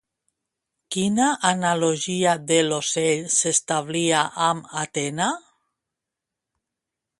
Quina analogia de l'ocell s'establia amb Atena?